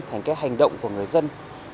thành cái hành động của người dân